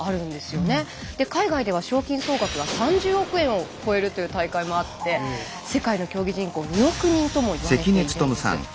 海外では賞金総額が３０億円を超えるという大会もあって世界の競技人口２億人ともいわれているんです。